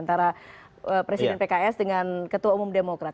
antara presiden pks dengan ketua umum demokrat